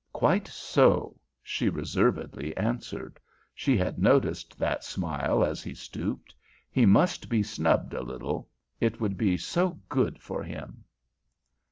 "Quite so," she reservedly answered. She had noticed that smile as he stooped. He must be snubbed a little. It would be so good for him.